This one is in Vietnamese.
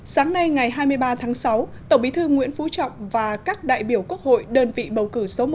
sáng nay ngày hai mươi ba tháng sáu tổng bí thư nguyễn phú trọng và các đại biểu quốc hội đơn vị bầu cử số một